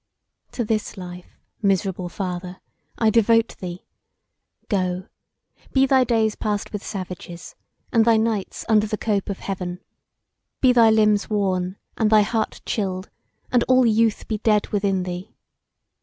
To this life, miserable father, I devote thee! Go! Be thy days passed with savages, and thy nights under the cope of heaven! Be thy limbs worn and thy heart chilled, and all youth be dead within thee!